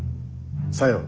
さよう。